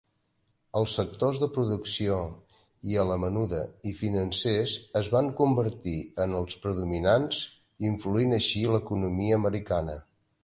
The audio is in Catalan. Els sectors de producció i a la menuda i financers es van convertir en els predominants, influint així l'economia americana.